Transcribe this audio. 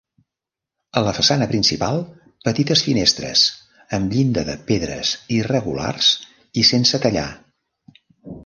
A la façana principal petites finestres, amb llinda de pedres irregulars i sense tallar.